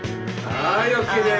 はいＯＫです。